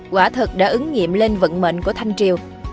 quả thật đã ứng nghiệm lên vận mệnh của thân vương